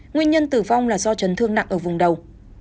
nguyên nhân tử vong là do chấn thương nặng ở vùng đầu